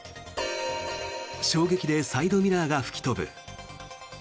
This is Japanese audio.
衝撃でサイドミラーが吹き飛ぶ。